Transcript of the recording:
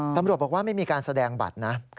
ตำรวจบอกว่าไม่มีการแสดงบัตรนะ